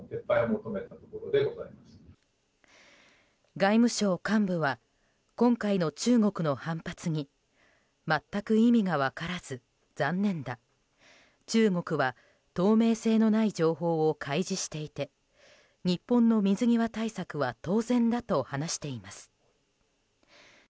外務省幹部は今回の中国の反発に全く意味が分からず、残念だ中国は透明性のない情報を開示していて日本の水際対策は当然だと話しています。